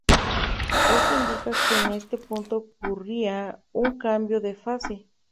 Esto indicaba que en ese punto ocurría un cambio de fase.